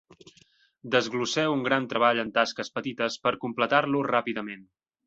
Desglosseu un gran treball en tasques petites per completar-lo ràpidament.